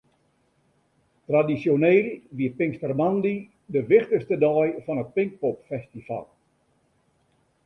Tradisjoneel wie pinkstermoandei de wichtichste dei fan it Pinkpopfestival.